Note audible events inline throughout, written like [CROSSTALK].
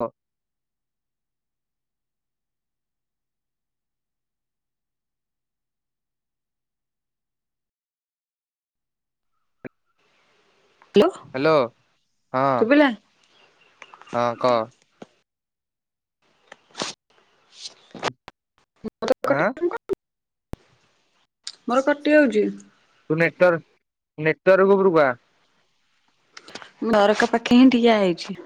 ହଁ ହ୍ୟାଲୋ ହଁ ଶୁଭିଲା ହଁ କହ କଟି ଆଁ ମୋର କଟି ହଉଚଛି ତୁ ନେଟୱାର୍କ ନେଟୱାର୍କ ଉପରୁ କୁହ ଘର କ ପାଖେ ହିଁ ଠିଆ ହେଇଛି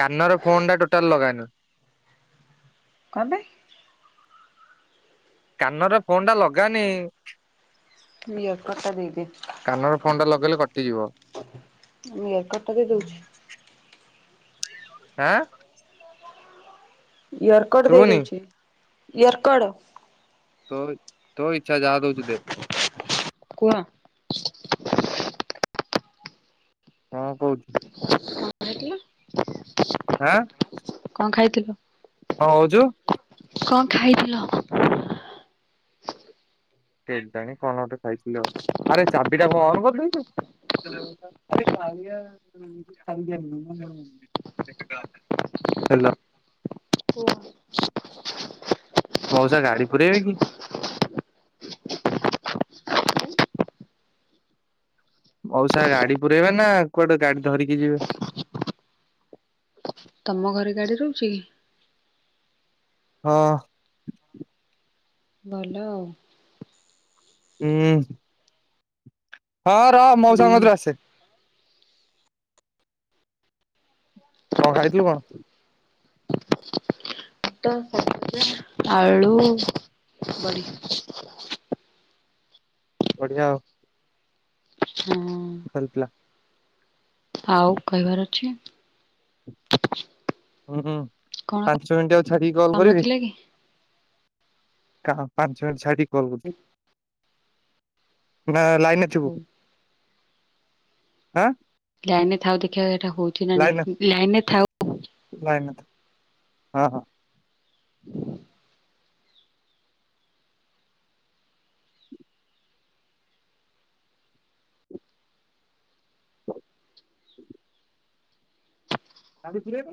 କାନର ଫୋନ୍ ଟା ଟୋଟାଲ ଲଗାନ କହିବେ କାନରେ ପୋଣ ଟା ଲଗାନି ମୁଁ ଇୟରକଡ ଟା ଦେଇଦିଏ କାନର ଫଣ୍ଡା ଲଗେଇଲେ କଟିଯିବ ମୁଁ ଏ କଟା ଦେଇ ଦଉଛି ଆଁ ଇୟରକଟ ଦେଇ ଶୁଭୁନି ଦଉଛି ଇୟରକଟ ତ ତୋ ଇଚ୍ଛା ଯାଆ ଦୋଉଛୁ ଦେ କୁହ କଣ କହୁଛୁ ହଁ ହେିଲ ହଁ କଣ ଖାଇଥିଲ ହଁ ହଉଛୁ କଣ ଖାଇଥିଲ କେ ଜାଣି କଣ ଗଟେ ଖାଇଥିଲ ଆଉ ଆରେ ଚାବିଟା କଣ କରିଦେଇଛ ଆରେ ଖାଇୟ [INAUDIBLE] ହେଲୋ ହୁ ମଉସା ଗାଡି ପୁରଇବେ କି ମଉସା ଗାଡି ପୁରାଇବେ ନା କୁଆଡେ ଗାଡି ଧରିକି ଯିବେ ତମ ଘରେ ଗାଡ଼ି ରହୁଛି କି ହଁ ଭଲ ହୁଁ ହଁ ରହ ମଉସା ହୁଁ। ସାଙ୍ଗତୁଲେ ଆସେ କଣ ଖାଇଥିଲୁ କଣ ତୁ ଆଳୁ ବଢ଼ି ବଢିଆ ଆଉ ହଁ ହେଇଥିଲା ଆଉ କହିବାର ଅଛି ହୁଁ କଣ ପାଞ୍ଚ ମିନିଟ ଆଉ ଛାଡିକି କଲ୍ କାମ କରିବି ଥିଲା କି? କହ ପାଞ୍ଚ ମିିନିଟ ଛାଡିକି କଲ କରୁଛି ନା ଲାଇନରେ ହଉ ଥିବୁ ଆଁ ଲାଇନ ରେ ଥାଉ ଦେଖିବା ଏଟା ହଉଛି ନା ନାଇଁ ଲାଇନରେ ଥାଉ ନାଇନ ତ ହଁ ହଁ ହୁଁ କାଲି ପୁରେଇ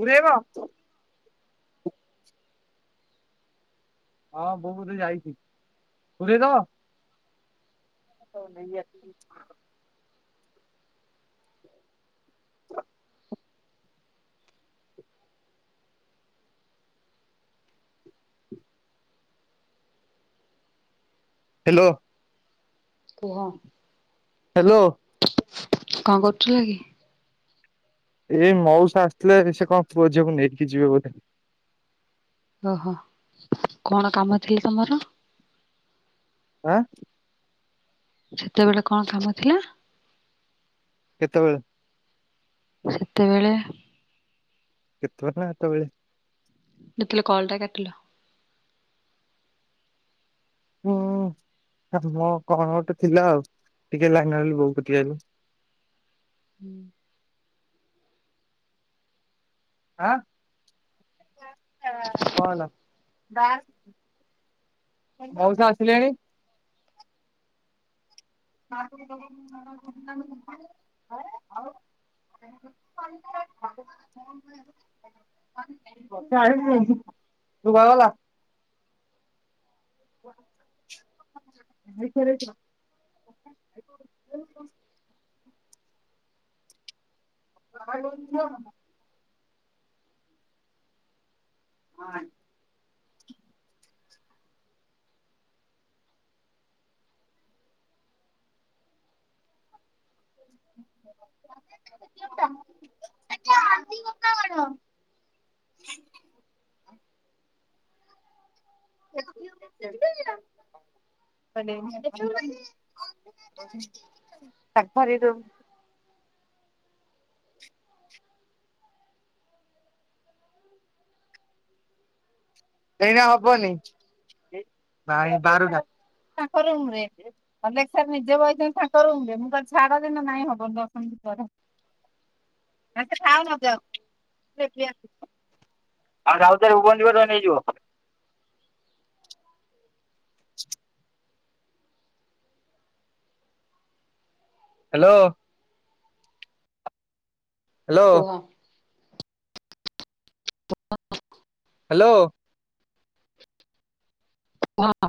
ପୁରେଇବ ହଁ ବୋଉ ବୋଧେ ଯାଇଛି ପୁରେଇଦବ ହଉ ନେଇ ଅସିଚି ହ୍ୟାଲୋ କୁହ ହ୍ୟାଲୋ କଣ କରୁଥିଲା କି ଏଇ ମଉସ ଆସିଥିଲେ ସେ କଣ ପୁଅଝିକୁ ନେଇକି ଯିବେ ବୋ ଓହୋ କଣ କାମ ଥିଲେ ତମର ଆଁ ସେତେବେଳେ କଣ କାମ ଥିଲା କେତେବେଳେ ସେତେବେଳେ କେତେବେ ନା ଏତେବେଳେ ଯେତେଲେ କଲଟା କାଟିଲ ହୁଁ କମ କଣ ଗୋଟେ ଥିଲା ଆଉ ଟିକେ ଲାଇନିଲ ବୋଉ ଟିକ ହେଲ ହୁଁ ଆଁ କଲା ମଉସା ଆସିଲେଣି ଦୁଗାରଲା ହଁ ଖରେଛି ହ ହ [INAUDIBLE] ଣ [INAUDIBLE] ମାନ ଶାକଭାରିରୁ ଏଇଟ ହବନି ଅଲେକ ସାର୍ ନିଜେ ବୟସ ସାଙ୍କର ହୁ ମୁଁ କହଲି ଛାଡ଼ ଦିନ ନାଇଁବନ ଦଶନ୍ୀ ପରେରା ମତେ ଖାଅ ମ ଆଉରେ ଆସ ଆଉ ରାଉତରେ ଭୁବନ୍ଦିବର ନେଇଯିବ ହ୍ୟାଲୋ ହ୍ୟାଲୋ। କୁହ। ହ ହ୍ୟାଲୋ। ହଁ।